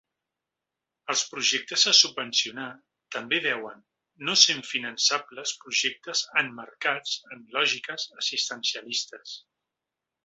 Els projectes a subvencionar també deuen, no sent finançables projectes emmarcats en lògiques assistencialistes.